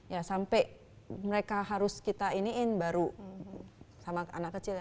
ya sampai mereka harus kita iniin baru sama anak kecil